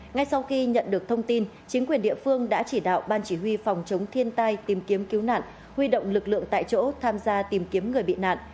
ngay sau khi nhận được thông tin chính quyền địa phương đã chỉ đạo ban chỉ huy phòng chống thiên tai tìm kiếm cứu nạn huy động lực lượng tại chỗ tham gia tìm kiếm người bị nạn